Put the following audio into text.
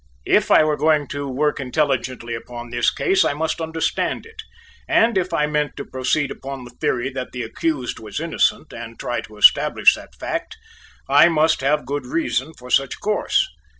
If I were going to work intelligently upon this case I must understand it, and if I meant to proceed upon the theory that the accused was innocent and try to establish that fact, I must have good reason for such course.